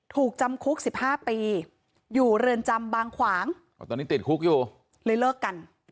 ถูกจำคุกสิบห้าปีอยู่เรือนจำบางขวางอ๋อตอนนี้ติดคุกอยู่เลยเลิกกัน